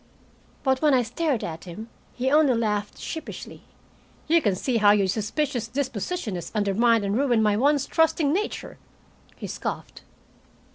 But when I stared at him, he only laughed sheepishly. "You can see how your suspicious disposition has undermined and ruined my once trusting nature," he scoffed.